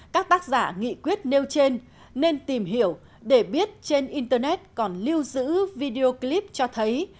các tác giả nghị quyết nêu trên nên tìm hiểu để biết trên internet còn lưu giữ video clip cho thấy